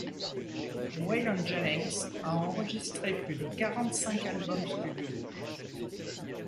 Waylon Jennings a enregistré plus de quarante-cinq albums studio.